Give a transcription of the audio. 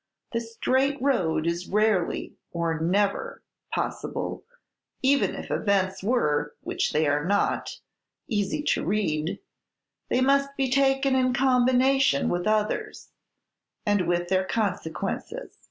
The straight road is rarely, or never, possible; even if events were, which they are not, easy to read, they must be taken in combination with others, and with their consequences.